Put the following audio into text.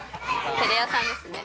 照れ屋さんですね。